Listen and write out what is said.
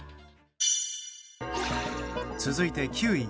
続いて９位。